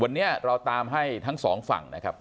วันนี้เราตามให้ทั้งสองฝั่งนะครับ